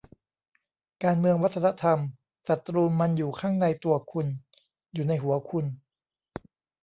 "การเมืองวัฒนธรรม ศัตรูมันอยู่ข้างในตัวคุณ อยู่ในหัวคุณ"